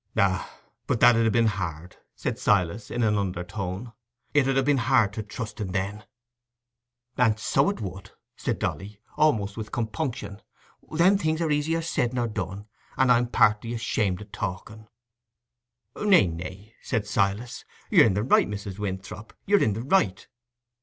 "Ah, but that 'ud ha' been hard," said Silas, in an under tone; "it 'ud ha' been hard to trusten then." "And so it would," said Dolly, almost with compunction; "them things are easier said nor done; and I'm partly ashamed o' talking." "Nay, nay," said Silas, "you're i' the right, Mrs. Winthrop—you're i' the right.